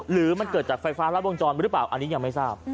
หรือมันเกิดจากไฟฟ้ารัดวงจรหรือเปล่าอันนี้ยังไม่ทราบ